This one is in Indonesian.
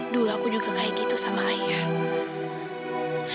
dulu aku juga kayak gitu sama ayah